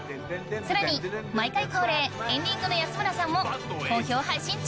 さらに毎回恒例エンディングの安村さんも好評配信中！